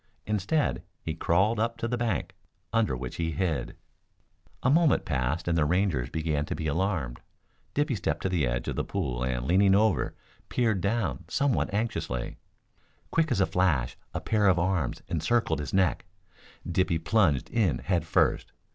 Instead he crawled up to the bank, under which he hid. A moment passed and the Rangers began to be alarmed. Dippy stepped to the edge of the pool and leaning over peered down somewhat anxiously. Quick as a flash a pair of arms encircled his neck. Dippy plunged in head first.